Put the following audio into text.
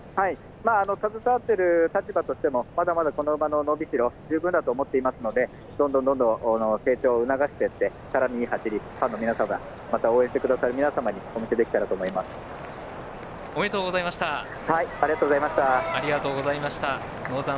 携わってる立場としてもまだまだ、この馬の伸びしろ十分だと思っていますのでどんどん成長を促していってさらにいい走り、ファンの皆様にお見せできたらとおめでとうございました。